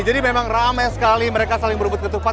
jadi memang ramai sekali mereka saling berebut ketupat